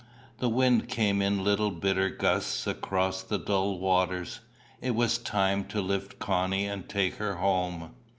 The wind came in little bitter gusts across the dull waters. It was time to lift Connie and take her home.